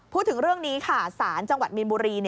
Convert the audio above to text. พูดถึงเรื่องนี้ค่ะสารจังหวัดมีนบุรี